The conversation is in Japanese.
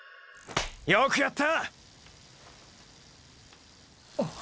よくやった！！